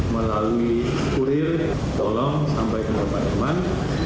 melalui kurir tolong sampai ke teman teman